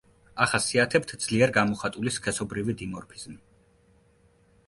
ახასიათებთ ძლიერ გამოხატული სქესობრივი დიმორფიზმი.